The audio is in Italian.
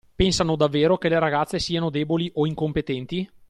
Pensano davvero che le ragazze siano deboli o incompetenti?